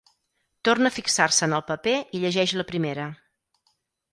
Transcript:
Torna a fixar-se en el paper i llegeix la primera.